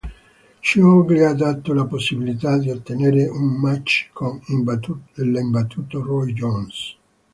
Ciò gli ha dato la possibilità di ottenere un match con l'imbattuto Roy Jones.